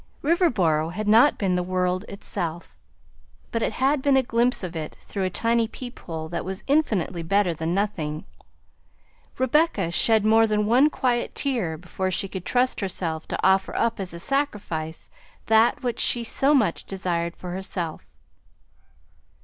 Riverboro had not been the world itself, but it had been a glimpse of it through a tiny peephole that was infinitely better than nothing. Rebecca shed more than one quiet tear before she could trust herself to offer up as a sacrifice that which she so much desired for herself.